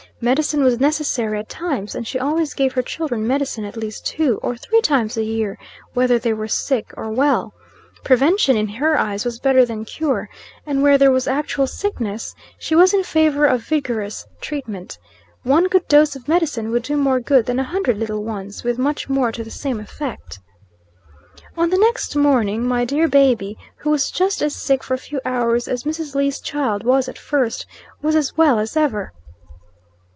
Medicine was necessary at times, and she always gave her children medicine at least two, or three times a year, whether they were sick or well. Prevention, in her eyes, was better than cure. And where there was actual sickness, she was in favor of vigorous treatment. One good dose of medicine would do more good than a hundred little ones; with much more to the same effect. On the next morning, my dear baby, who was just as sick for a few hours as Mrs. Lee's child was at first, was as well as ever.